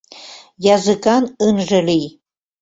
Языкан ынже лий.